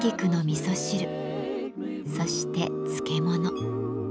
そして漬物。